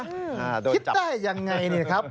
คิดได้ยังไงเนี่ยครับ